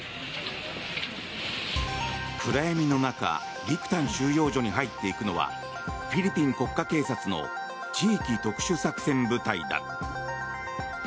暗闇の中ビクタン収容所に入っていくのはフィリピン国家警察の地域特殊作戦部隊だ。